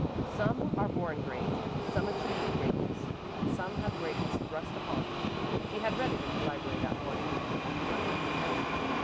"Some are born great, some achieve greatness, and some have greatness thrust upon them:" she had read it in the library that morning and it kept running in her head.